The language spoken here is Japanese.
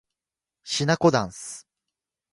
しなこだんす